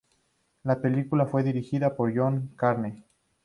La película fue dirigida por John Carney.